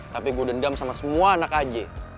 tapi gue dendam sama semua anak aja